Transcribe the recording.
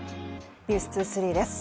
「ｎｅｗｓ２３」です。